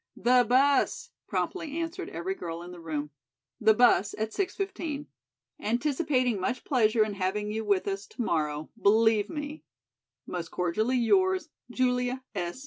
"The bus," promptly answered every girl in the room. "' the bus at six fifteen. Anticipating much pleasure in having you with us to morrow, believe me, Most cordially yours, JULIA S.